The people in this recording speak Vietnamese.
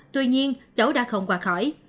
tuy nhiên cháu đã không quà khỏi